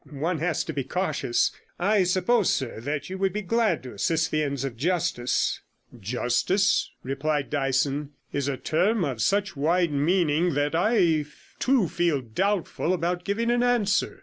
One has to be cautious. I suppose, sir, that you would be glad to assist the ends of justice.' 'Justice,' replied Dyson, 'is a term of such wide meaning, that I too feel doubtful about giving an answer.